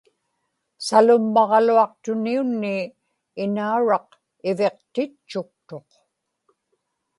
salummaġaluaqtuni-unnii inauraq iviqtitchuktuq